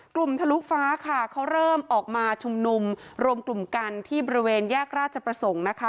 ทะลุฟ้าค่ะเขาเริ่มออกมาชุมนุมรวมกลุ่มกันที่บริเวณแยกราชประสงค์นะคะ